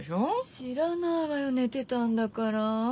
知らないわよ寝てたんだから。